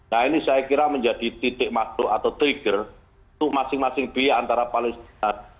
nah ini saya kira menjadi titik masuk atau trigger untuk masing masing biaya antara palestina